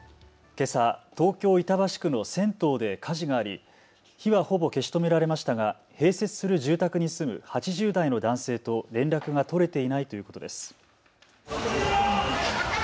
けさ、東京板橋区の銭湯で火事があり、火はほぼ消し止められましたが併設する住宅に住む８０代の男性と連絡が取れていないということです。